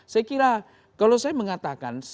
saya kira kalau saya mengatakan semakin banyak